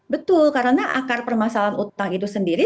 betul karena akar permasalahan utang itu sendiri